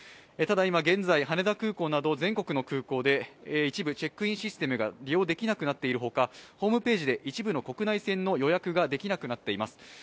ただ、今、現在ｋ、羽田空港など全国の空港で一部チェックインシステムが利用できなくなっているほかホームページで一部の国内線の予約ができなくなっています。